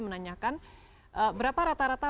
menanyakan berapa rata rata